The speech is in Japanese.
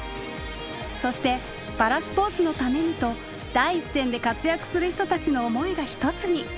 そしてパラスポーツのためにと第一線で活躍する人たちの思いが一つに。